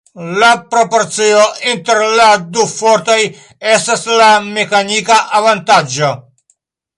La proporcio inter la du fortoj estas la mekanika avantaĝo.